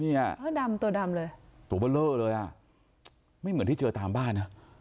ดำตัวดำเลยตัวเบอร์เลอร์เลยอ่ะไม่เหมือนที่เจอตามบ้านนะ